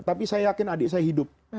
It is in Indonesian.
tapi saya yakin adik saya hidup